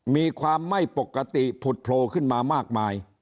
มีความไม่ปกติผุดโผล่ขึ้นมามากมาย